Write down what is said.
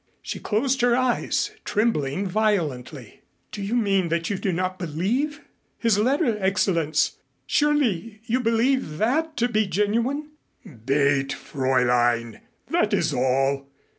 She closed her eyes, trembling violently. "Do you mean that you do not believe? His letter, Excellenz surely you believe that to be genuine?" "Bait, Fräulein that is all.